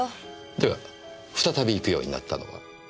では再び行くようになったのは？